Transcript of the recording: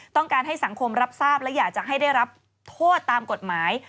ต้องการให้สังคมรับทราบและอยากจะให้ได้รับโทษตามกฎหมาย